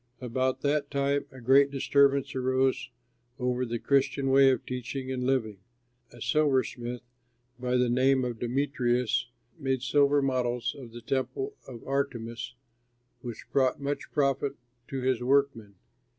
About that time a great disturbance arose over the Christian way of teaching and living. A silversmith, by the name of Demetrius, made silver models of the temple of Artemis which brought much profit to his workmen.